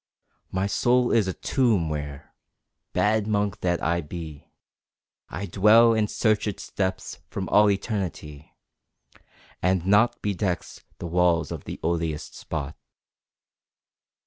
My soul is a tomb where bad monk that I be I dwell and search its depths from all eternity, And nought bedecks the walls of the odious spot.